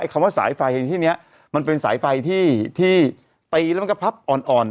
ไอ้คำว่าสายไฟที่ที่เนี้ยมันเป็นสายไฟที่ที่ตีแล้วมันก็พับอ่อนอ่อน